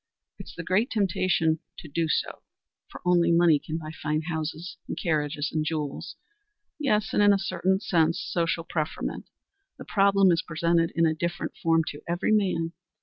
It's the great temptation to some to do so, for only money can buy fine houses, and carriages and jewels yes, and in a certain sense, social preferment. The problem is presented in a different form to every man.